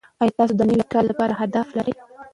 ایا تاسو د نوي کال لپاره اهداف لرئ؟